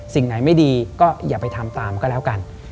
สิ่งไหนไม่ดีก็อย่าไปทำตามก็แล้วกัน